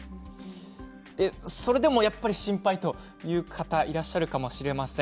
それでもやっぱり心配という方いらっしゃるかもしれません。